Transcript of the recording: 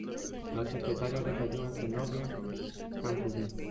La secretaría recayó en Zenobia Camprubí.